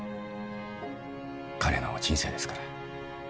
彼の人生ですから。